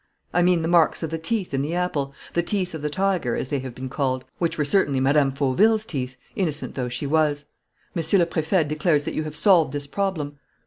I mean the marks of the teeth in the apple, the teeth of the tiger, as they have been called, which were certainly Mme. Fauville's teeth, innocent though she was. Monsieur le Préfet declares that you have solved this problem."